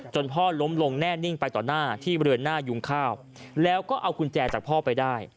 พ่อล้มลงแน่นิ่งไปต่อหน้าที่บริเวณหน้ายุงข้าวแล้วก็เอากุญแจจากพ่อไปได้